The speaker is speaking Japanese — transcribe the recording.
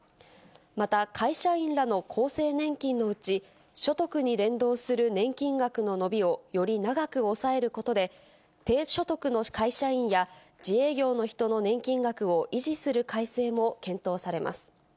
また、会社員らの厚生年金のうち、所得に連動する年金額の伸びをより長く抑えることで、低所得の会社員や、自営業の人の年金額を維持する改正も検討されます。